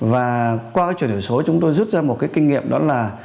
và qua chuyển đổi số chúng tôi rút ra một cái kinh nghiệm đó là